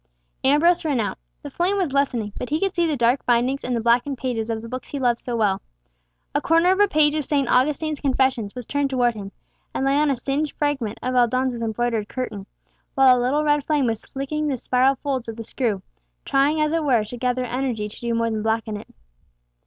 Ambrose ran out. The flame was lessening, but he could see the dark bindings, and the blackened pages of the books he loved so well. A corner of a page of St. Augustine's Confessions was turned towards him and lay on a singed fragment of Aldonza's embroidered curtain, while a little red flame was licking the spiral folds of the screw, trying, as it were, to gather energy to do more than blacken it.